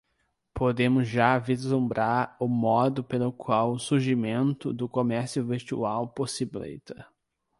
Podemos já vislumbrar o modo pelo qual o surgimento do comércio virtual possibilita